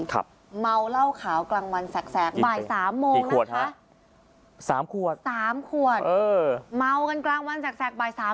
เมาเหล้าขาวกลางวันแสกบ่ายสามโมงค่ะสามขวดสามขวดเออเมากันกลางวันแสกบ่ายสาม